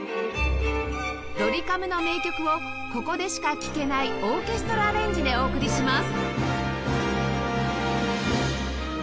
ドリカムの名曲をここでしか聴けないオーケストラアレンジでお送りします